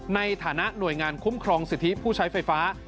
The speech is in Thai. ในฐานะหน่วยงานคุ้มครองสิทธิผู้ใช้ไฟฟ้า